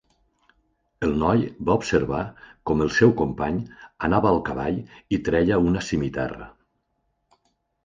El noi va observar com el seu company anava al cavall i treia una simitarra.